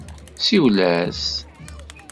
Siwel-as.